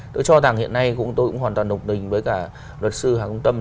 tôi cho rằng hiện nay tôi cũng hoàn toàn độc đình với cả luật sư hà công tâm